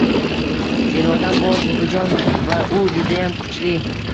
Irodam bor, buvijon, va u judayam kuchli...